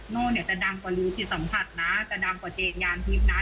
โน้นเนี้ยจะดังกว่าลือจิตสัมผัสนะจะดังกว่าเจนย้านทิศนะ